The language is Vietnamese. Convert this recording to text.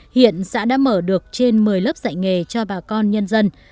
hiện xã đã mở được trên một mươi lớp dạy nghề cho bà con nhân dân